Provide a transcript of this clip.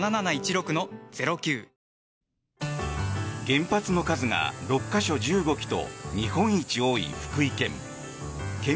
原発の数が６か所１５基と日本一多い福井県。